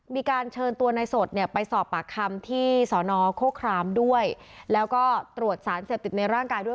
มีการเชิญตัวในสดเนี่ยไปสอบปากคำที่สอนอโคครามด้วยแล้วก็ตรวจสารเสพติดในร่างกายด้วย